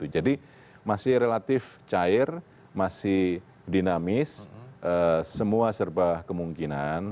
jadi masih relatif cair masih dinamis semua serba kemungkinan